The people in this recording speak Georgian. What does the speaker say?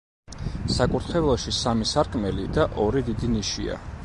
საკურთხეველში სამი სარკმელი და ორი დიდი ნიშია.